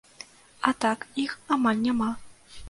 А так іх амаль няма.